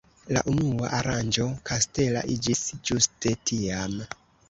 La unua aranĝo kastela iĝis ĝuste tiam.